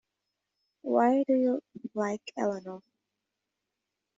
Why do you like Eleanor?